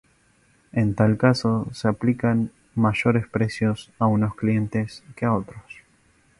En tal caso, se aplican mayores precios a unos clientes que a otros.